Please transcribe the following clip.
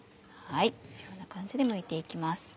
このような感じでむいて行きます。